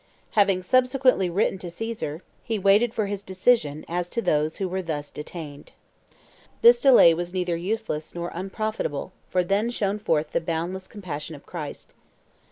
Having subsequently written to Caesar, he waited for his decision as to those who were thus detained. "This delay was neither useless nor unprofitable, for then shone forth the boundless compassion of Christ.